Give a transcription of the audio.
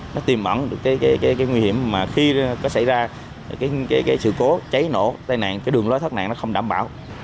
nó tìm ẩn được cái nguy hiểm mà khi có xảy ra sự cố cháy nổ tai nạn đường lối thoát nạn không đảm bảo